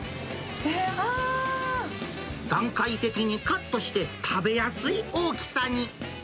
段階的にカットして、食べやすい大きさに。